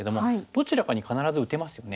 どちらかに必ず打てますよね。